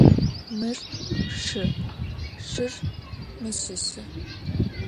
Mır şşı, şşır meşışı.